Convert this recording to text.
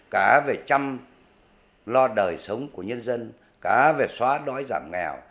cá về chăm lo đời sống của nhân dân cá về xóa đói giảm nghèo